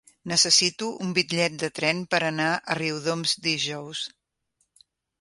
Necessito un bitllet de tren per anar a Riudoms dijous.